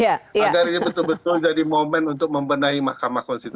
agar ini betul betul jadi momen untuk membenahi mahkamah konstitusi